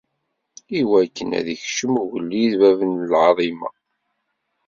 Iwakken ad ikcem ugellid, bab n lɛaḍima!